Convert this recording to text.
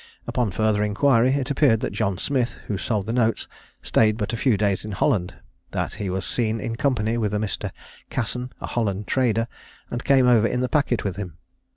Upon further inquiry, it appeared that John Smith, who sold the notes, staid but a few days in Holland; that he was seen in company with Mr. Casson, a Holland trader, and came over in the packet with him.